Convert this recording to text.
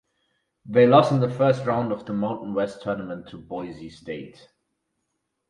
They lost in the first round of the Mountain West Tournament to Boise State.